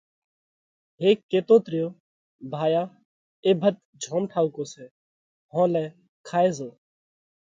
هيڪ ڪيتوت ريو: ڀايا اي ڀت جوم ٺائُوڪو سئہ، هون لئہ کائي زو۔